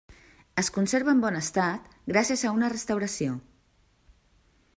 Es conserva en bon estat gràcies a una restauració.